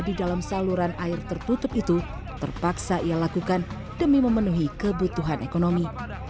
di dalam saluran air tertutup itu terpaksa ia lakukan demi memenuhi kebutuhan ekonomi